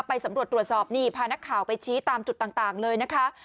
ไปสำรวจตรวจสอบนี่พานักข่าวไปชี้ตามจุดต่างเลยนะคะ